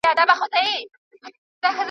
تاسې د مطالعې لپاره کوم وخت غوره ګڼئ؟